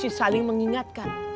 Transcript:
kita harus saling mengingatkan